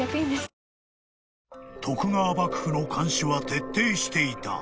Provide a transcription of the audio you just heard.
［徳川幕府の監視は徹底していた］